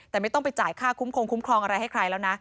แต่ไม่ต้องไปจ่ายค่าคุ้มคงคุ้มครองอะไรให้ใครแล้วนะ